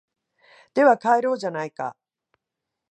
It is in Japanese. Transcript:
では帰ろうじゃないか